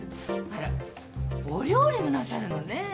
あらっお料理もなさるのねえ。